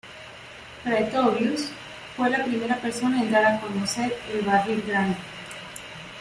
Praetorius fue la primera persona en dar a conocer el barril grande.